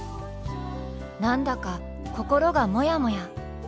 何だか心がモヤモヤ。